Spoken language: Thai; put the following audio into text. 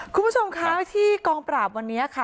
คุณผู้ชมคะที่กองปราบวันนี้ค่ะ